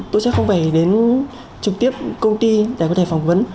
tôi sẽ không phải đến trực tiếp công ty để có thể phỏng vấn